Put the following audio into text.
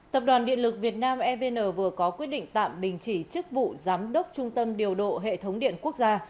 tập đoàn điện lực việt nam evn vừa có quyết định tạm đình chỉ chức vụ giám đốc trung tâm điều độ hệ thống điện quốc gia